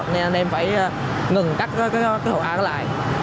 nên anh em phải ngừng các hội án lại